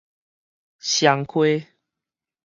雙溪